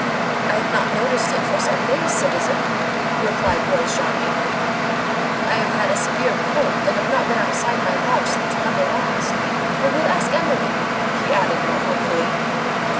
"I have not noticed it for some days, citizen," replied Grosjean meekly. "I have had a severe cold, and have not been outside my lodge since Monday last. But we'll ask Amelie!" he added more hopefully.